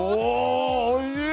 おおいしい！